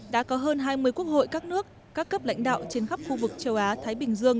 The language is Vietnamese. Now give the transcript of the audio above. đã có hơn hai mươi quốc hội các nước các cấp lãnh đạo trên khắp khu vực châu á thái bình dương